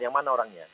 yang mana orangnya